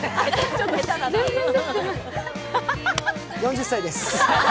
４０歳です。